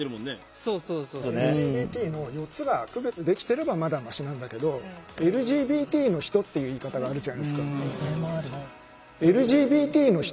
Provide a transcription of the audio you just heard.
ＬＧＢＴの４つが区別できてればまだマシなんだけど「ＬＧＢＴの人」っていう言い方があるじゃないですか。